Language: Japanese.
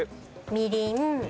みりん。